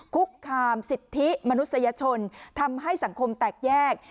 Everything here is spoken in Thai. คุกคามสิทธิมนุษยชนทำให้สังคมแตกแยก